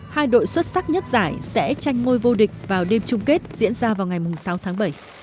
hai đội xuất sắc nhất giải sẽ tranh môi vô địch vào đêm chung kết diễn ra vào ngày sáu tháng bảy